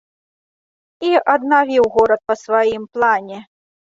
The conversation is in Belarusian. І аднавіў горад па сваім плане.